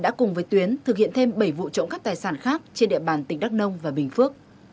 bức tượng này đã thực hiện một mươi hai vụ trộm cắp tài sản trên địa bàn tỉnh đắk nông và bình phước